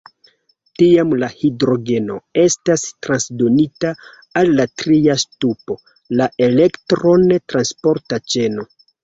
Tiam la hidrogeno estas transdonita al la tria ŝtupo, la elektron-transporta ĉeno.